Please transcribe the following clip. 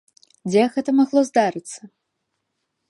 Дзе гэта магло здарыцца?